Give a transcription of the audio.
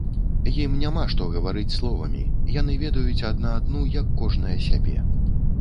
Ім няма пра што гаварыць словамі, яны ведаюць адна адну, як кожная сябе.